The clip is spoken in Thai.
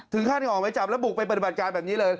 ท่านออกไม้จับแล้วบุกไปปฏิบัติการแบบนี้เลย